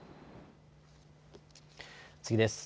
次です。